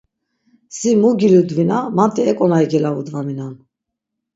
Si mu giludvina manti eǩonari gelavudvaminon.